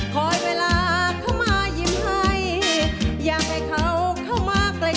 คอยเวลาเข้ามายิ้มให้อยากให้เขาเข้ามาไกล